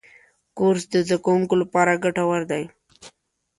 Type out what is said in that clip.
کورس د زدهکوونکو لپاره ګټور دی.